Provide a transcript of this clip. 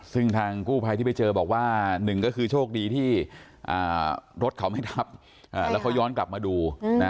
ซึ่งทางกู้ภัยที่ไปเจอบอกว่าหนึ่งก็คือโชคดีที่รถเขาไม่ทับแล้วเขาย้อนกลับมาดู